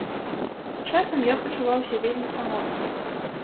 Часам я пачуваўся вельмі самотным.